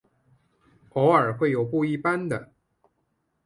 偶尔会有不一般的。